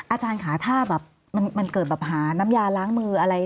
อาจารย์ค่ะถ้าแบบมันเกิดแบบหาน้ำยาล้างมืออะไร